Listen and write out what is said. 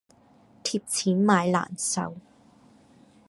貼錢買難受